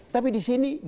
tapi di sini